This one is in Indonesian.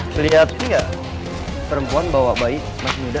kelihatin gak perempuan bawa bayi mas muda